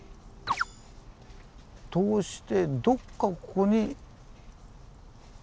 通してどっかここに。